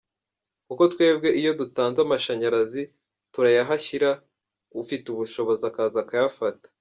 Kuko twebwe iyo dutanze amashanyarazi, turayahashyira, ufite ubushobozi akaza akayafata.